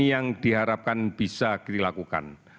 yang diharapkan bisa dilakukan